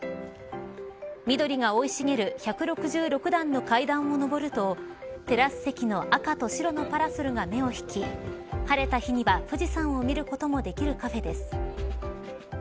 緑が生い茂る１６６段の階段を上るとテラス席の赤と白のパラソルが目を引き晴れた日には、富士山を見ることもできるカフェです。